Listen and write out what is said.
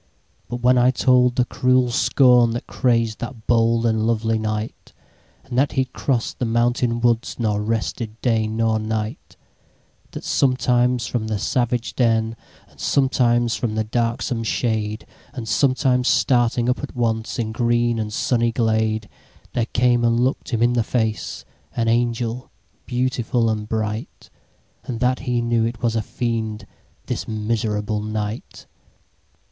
But when I told the cruel scornThat crazed that bold and lovely Knight, And that he cross'd the mountain woods, Nor rested day nor night; That sometimes from the savage den, And sometimes from the darksome shade, And sometimes starting up at onceIn green and sunny glade, There came and look'd him in the faceAn angel beautiful and bright; And that he knew it was a Fiend, This miserable Knight!